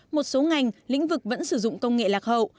một số ngành lĩnh vực vẫn sử dụng công nghệ lạc hậu